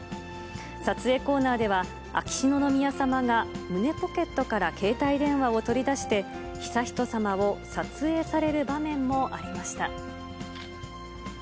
撮影コーナーでは、秋篠宮さまが胸ポケットから携帯電話を取り出して、悠仁さまを撮影される場面もありました。